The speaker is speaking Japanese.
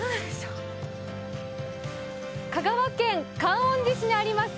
香川県観音寺市にあります